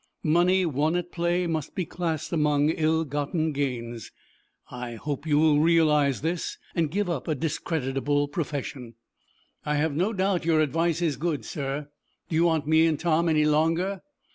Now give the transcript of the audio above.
Money won at play must be classed among ill gotten gains. I hope you will realize this, and give up a discreditable profession." "I have no doubt your advice is good, sir. Do you want me and Tom any longer?"